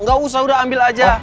gak usah udah ambil aja